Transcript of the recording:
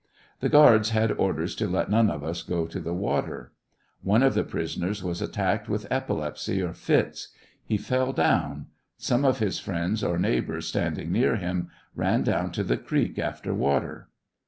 The guards had orders to let none of us go to the water. One of the prisoners was attacked with epilepsy or fits ; he fell down ; some of his friends or neigh krs standing near him ran down to the creek after water.